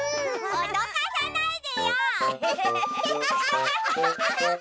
おどかさないでよ！